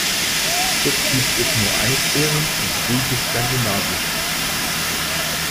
Dort gibt es nur Eisbären und ruhige Skandinavier.